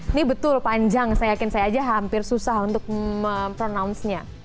ini betul panjang saya yakin saya aja hampir susah untuk mempronounce nya